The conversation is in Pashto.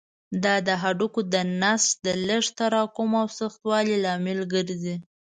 دا د هډوکو د نسج د لږ تراکم او سختوالي لامل ګرځي.